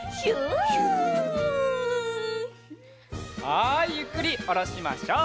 はいゆっくりおろしましょう。